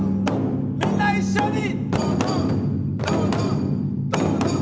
みんな一緒に。